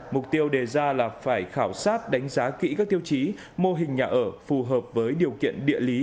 mục tiêu đề ra là phải khảo sát đánh giá kỹ các tiêu chí mô hình nhà ở phù hợp với điều kiện địa lý